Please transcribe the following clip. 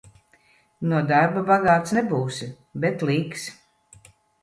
No darba bagāts nebūsi, bet līks.